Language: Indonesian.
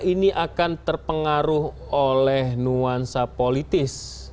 ini akan terpengaruh oleh nuansa politis